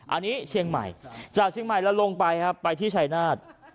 อันนี้เชียงใหม่จากเชียงใหม่แล้วลงไปครับไปที่ชายนาฏ